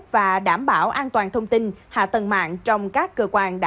và đảm bảo an toàn thông tin hạ tần mạng trong các cơ quan đảng nhà nước